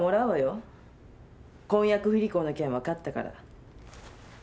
婚約不履行の件は勝ったから。